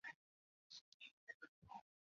现德国弗莱堡音乐学院低音提琴教授。